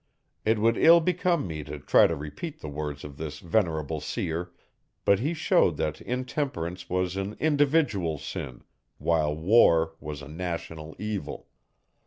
It would ill become me to try to repeat the words of this venerable seer, but he showed that intemperance was an individual sin, while war was a national evil.